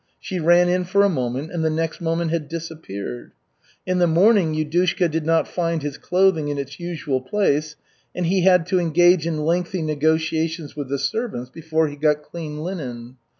She ran in for a moment and the next moment had disappeared. In the morning Yudushka did not find his clothing in its usual place, and he had to engage in lengthy negotiations with the servants before he got clean linen.